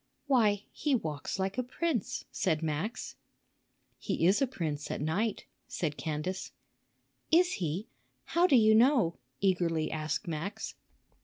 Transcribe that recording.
"Why! he walks like a prince," said Max. "He is a prince at night," said Candace. "Is he? How do you know?" eagerly asked Max.